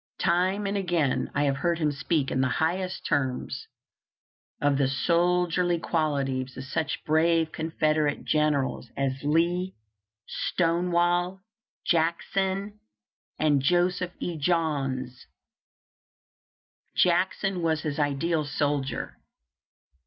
Time and again I have heard him speak in the highest terms of the soldierly qualities of such brave Confederate generals as Lee, Stonewall Jackson, and Joseph E. Johns[t]on. Jackson was his ideal soldier.